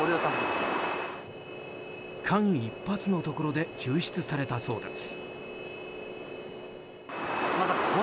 間一髪のところで救出されたそうです。